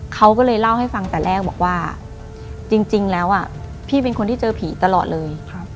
เขาก็เลยเล่าให้ฟังแต่แรกบอกว่าจริงแล้วพี่เป็นคนที่เจอผีตลอดเลย